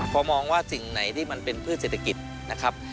พอมองว่าสิ่งไหนที่มันเป็นพืชเศรษฐกิจนะครับ